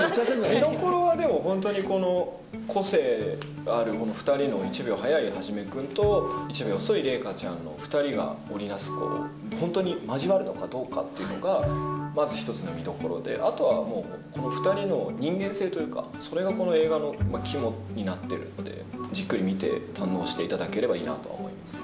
見どころはでも、本当にこの個性ある２人の１秒早い一君と、１秒遅い麗華ちゃんの２人が織り成す、本当に交わるのかどうかというのが、まず一つの見どころで、あとはもう、この２人の人間性というか、それがこの映画の肝になっているので、じっくり見て堪能していただければいいなと思います。